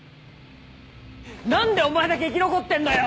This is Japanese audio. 何でお前だけ生き残ってんだよ！